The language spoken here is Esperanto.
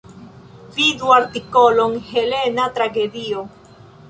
Vidu artikolon Helena tragedio.